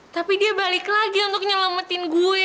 tapi dia balik lagi untuk nyelamatin gue